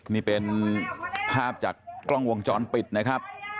นี่เป็นภาพจากกล้องวงจรปิดนะครับ